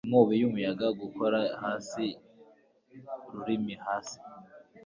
inkubi y'umuyaga gukora hasi ururimi hasi